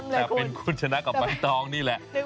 แต่เป็นคุณชนะกับใบตองนี่แหละ